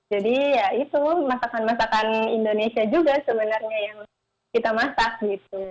ya itu masakan masakan indonesia juga sebenarnya yang kita masak gitu